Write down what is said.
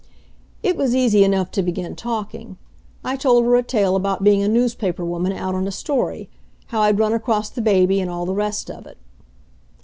It was easy enough to begin talking. I told her a tale about being a newspaper woman out on a story; how I'd run across the baby and all the rest of it.